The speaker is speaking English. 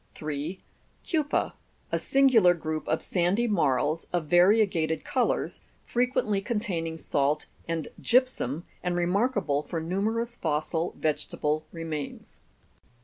3. Keuper, a singular group of sandy marls, of variegated colours, frequently containing salt and gypsum, and remarkable for numerous fossil vegetable remains.